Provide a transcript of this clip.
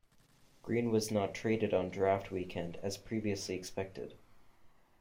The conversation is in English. Green was not traded on draft weekend as previously expected.